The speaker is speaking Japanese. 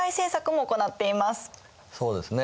そうですね。